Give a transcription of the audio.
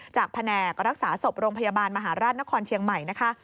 แผนกรักษาศพโรงพยาบาลมหาราชนครเชียงใหม่นะคะ